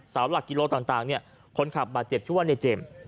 เศร้าหลักกิโลต่างเนี่ยคนขับมาเจ็บชั่วเนธเจมส์